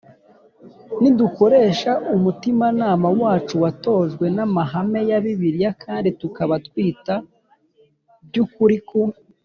Nidukoresha umutimanama wacu watojwe n amahame ya bibiliya kandi tukaba twita by ukuri ku